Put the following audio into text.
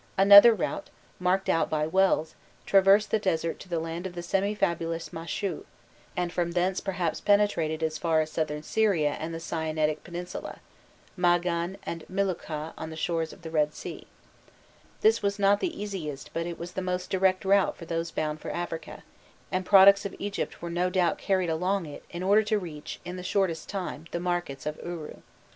Another route, marked out by wells, traversed the desert to the land of the semi fabulous Mashu, and from thence perhaps penetrated as far as Southern Syria and the Sinaitic Peninsula Magan and Milukhkha on the shores of the Red Sea: this was not the easiest but it was the most direct route for those bound for Africa, and products of Egypt were no doubt carried along it in order to reach in the shortest time the markets of Uru.